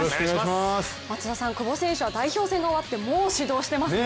久保選手は代表戦が終わってもう始動してますね。